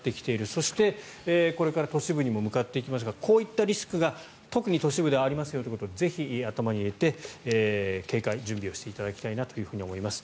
そして、これから都市部にも向かっていきますがこういったリスクが特に都市部ではありますよというのをぜひ、頭に入れて警戒・準備をしていただきたいなと思います。